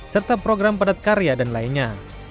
serta program padat karya dan lainnya